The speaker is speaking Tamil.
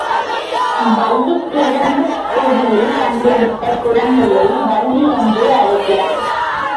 வள்ளிக் கிழங்குக் குழியில் கண்டெடுத்த குழந்தையை வள்ளி என்றே அழைக்கிறான்.